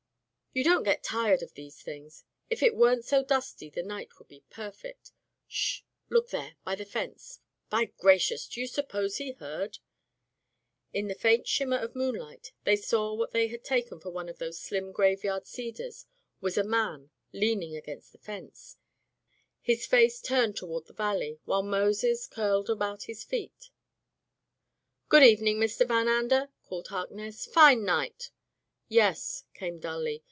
"You don't get tired of these things. If it weren't so dusty, the night would be perfect. 'Sh! — look there — ^by the fence — ^by gra cious! Do you suppose he heard ?" In the faint shimmer of moonlight they saw that what they had taken for one of those slim graveyard cedars was a man leaning against the fence, his face turned toward the valley, while Moses curled about his feet. "Good evening, Mr. Van Ander," called Harkness. "Fine night." "Yes," came dully.